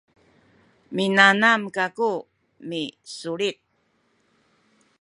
minanam kaku misulit